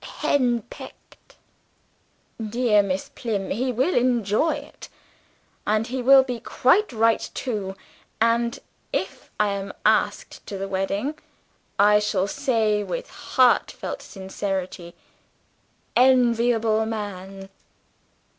henpecked. Dear Miss Plym, he will enjoy it; and he will be quite right too; and, if I am asked to the wedding, I shall say, with heartfelt sincerity, Enviable man!"